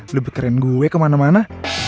lebih keren gue kemana mana